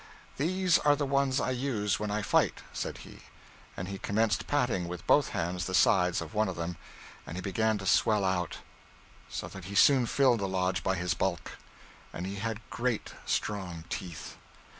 'These are the ones I use when I fight,' said he; and he commenced patting with both hands the sides of one of them, and he began to swell out, so that he soon filled the lodge by his bulk; and he had great strong teeth.